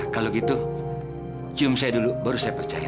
kalau gitu cium saya dulu baru saya percaya